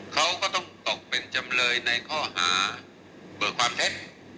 เขาก็ต้องตกเป็นจำเลยในข้อหาเบิกความเท็จ